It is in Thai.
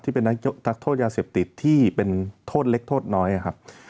ที่เป็นนักโทษยาเสพติดที่เป็นโทษเล็กโทษน้อยครับ